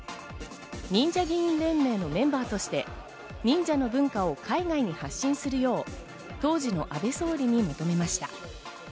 忍者議員連盟のメンバーとして忍者の文化を海外に発信するよう、当時の安倍総理に求めました。